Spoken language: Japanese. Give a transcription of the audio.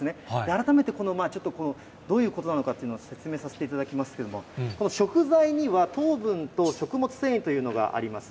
改めてどういうことなのかというのを説明させていただきますけれども、食材には糖分と食物繊維というのがあります。